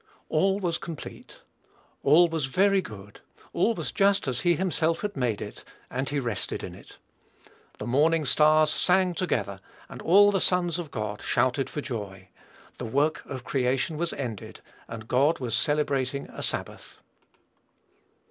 All was complete; all was very good; all was just as he himself had made it; and he rested in it. "The morning stars sang together; and all the sons of God shouted for joy." The work of creation was ended, and God was celebrating a sabbath.